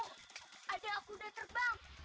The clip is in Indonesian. nek ada akuda terbang